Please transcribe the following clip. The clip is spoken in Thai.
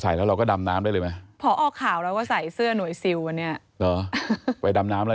ใส่แล้วเราก็ดำน้ำได้มา